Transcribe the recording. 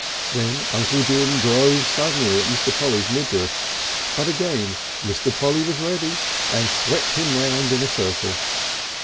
Then Uncle Jim drove suddenly at Mr. Polly's midriff, but again Mr. Polly was ready and swept him round in a circle.